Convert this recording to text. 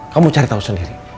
kamu cari tau sendiri